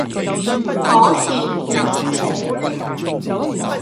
可是怎好呢？